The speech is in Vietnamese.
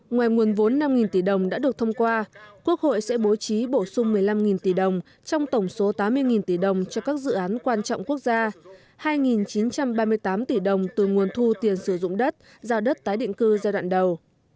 ngoài nguồn vốn năm tỷ đồng đã được thông qua quốc hội sẽ bố trí bổ sung một mươi năm tỷ đồng trong tổng số tám mươi tỷ đồng cho các dự án quan trọng quốc gia hai chín trăm ba mươi tám tỷ đồng từ nguồn thu tiền sử dụng đất giao đất tái định cư giai đoạn đầu